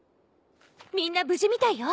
みんな無事みたいよ。